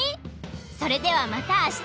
それではまたあした！